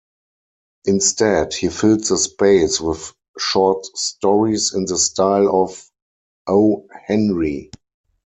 Instead, he filled the space with short stories in the style of O. Henry.